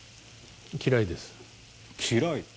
嫌いです嫌い？